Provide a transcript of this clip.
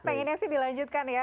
pengennya sih dilanjutkan ya